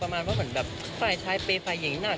ประมาณว่าเหมือนแบบไฟล์ช้ายเปรย์ไฟล์อย่างนี้น่ะ